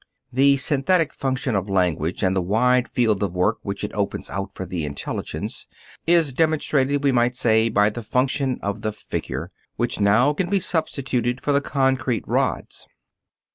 The synthetic function of language and the wide field of work which it opens out for the intelligence is demonstrated, we might say, by the function of the figure, which now can be substituted for the concrete rods.